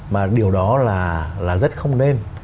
mà điều đó là rất không nên